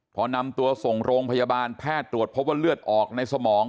พอนำตัวส่งโรงพยาบาลแพทย์ตรวจพบว่าเลือดออกในสมอง